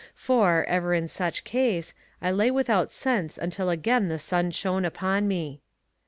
For, ever in such case, I lay without sense until again the sun shone upon me.